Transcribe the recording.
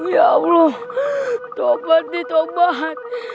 ya allah tobat nih tobat